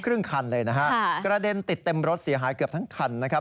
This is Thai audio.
ครึ่งคันเลยนะฮะกระเด็นติดเต็มรถเสียหายเกือบทั้งคันนะครับ